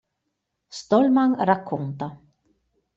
Stallman racconta.